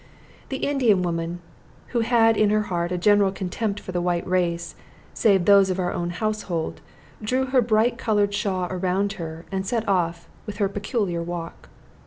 The Indian woman, who had in her heart a general contempt for the white race, save those of our own household, drew her bright colored shawl around her, and set off with her peculiar walk.